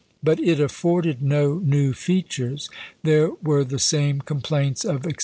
But it afforded no new features ; there were the same complaints of exces CHAP.